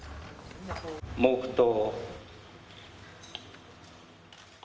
黙とう。